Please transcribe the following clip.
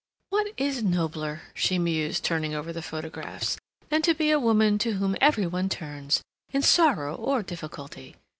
"What is nobler," she mused, turning over the photographs, "than to be a woman to whom every one turns, in sorrow or difficulty?